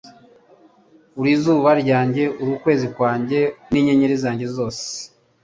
uri izuba ryanjye, ukwezi kwanjye, n'inyenyeri zanjye zose.